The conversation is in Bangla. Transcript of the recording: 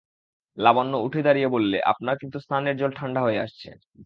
লাবণ্য উঠে দাঁড়িয়ে বললে, আপনার কিন্তু স্নানের জল ঠাণ্ডা হয়ে আসছে।